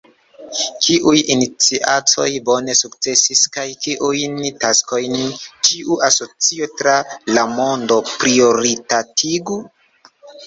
Kiuj iniciatoj bone sukcesis kaj kiujn taskojn ĉiu asocio tra la mondo prioritatigu?